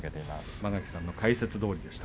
間垣さんの解説どおりでした。